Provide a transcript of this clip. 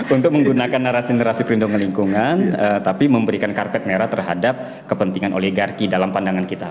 untuk menggunakan narasi narasi perlindungan lingkungan tapi memberikan karpet merah terhadap kepentingan oligarki dalam pandangan kita